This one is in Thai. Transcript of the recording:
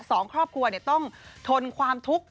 สองครอบครัวต้องทนความทุกข์